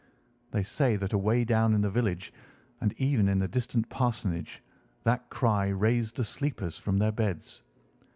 They say that away down in the village, and even in the distant parsonage, that cry raised the sleepers from their beds.